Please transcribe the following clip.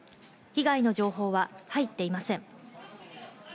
被害の情報は入っていません。